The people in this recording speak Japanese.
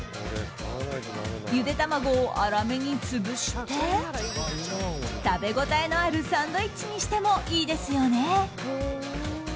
ゆで卵を粗めに潰して食べ応えのあるサンドイッチにしてもいいですよね。